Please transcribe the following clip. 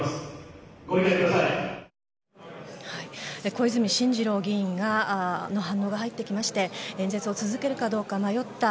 小泉進次郎議員の反応が入ってきまして演説を続けるかどうか迷った、